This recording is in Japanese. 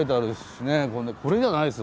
これじゃないですよね？